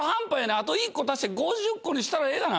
あと１個足して５０個にしたらええがな。